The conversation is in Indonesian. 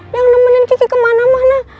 yang nemenin kiki kemana mana